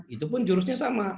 itu pun jurusnya sama